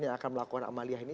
yang akan melakukan amaliyah ini